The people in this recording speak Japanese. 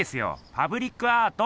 パブリックアート！